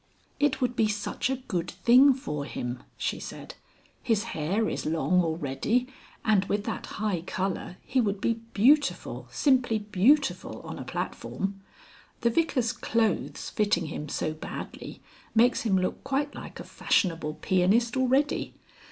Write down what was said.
"It would be such a good thing for him," she said. "His hair is long already, and with that high colour he would be beautiful, simply beautiful on a platform. The Vicar's clothes fitting him so badly makes him look quite like a fashionable pianist already.